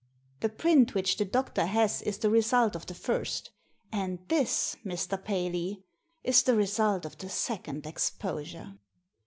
The print which the doctor has is the result of the first, and this, Mr. Paley, is the result of the second exposure."